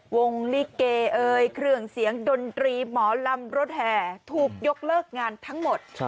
วงลิเกเครื่องเสียงดนตรีหมอลำรถแห่ถูกยกเลิกงานทั้งหมด